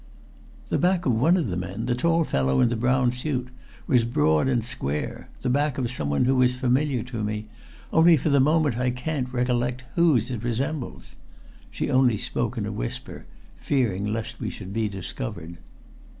"The back of one of the men, the tall fellow in the brown suit, was broad and square the back of someone who is familiar to me, only for the moment I can't recollect whose it resembles." She only spoke in a whisper, fearing lest we should be discovered.